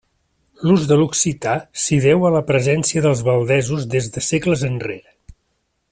L'ús de l'occità s'hi deu a la presència dels valdesos des de segles enrere.